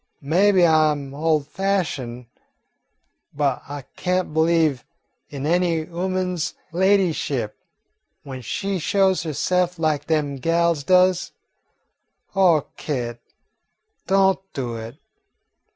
"Maybe I 'm ol' fashioned, but I can't believe in any ooman's ladyship when she shows herse'f lak dem gals does. Oh, Kit, don't do it.